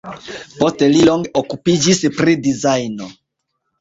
Poste li longe okupiĝis pri dizajno.